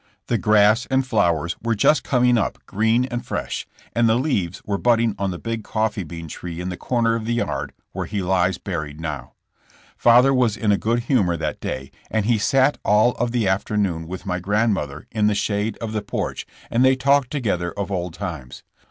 The grass and flowers were just coming up green and fresh, and the leaves were budding on the big coffee bean tree in the corner of the yard where he lies buried now. Father was in a good humor that day and he sat all of the after noon with my grandmother in the shade of the porch run DEATH OF JESSE JAMES. 15 and they talked together of old times.